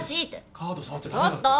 カード触っちゃダメだって。